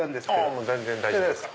全然大丈夫です。